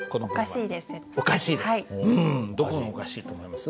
どこがおかしいと思います？